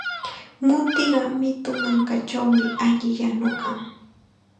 Mutiqa mitu mankachawmi alli yanukan.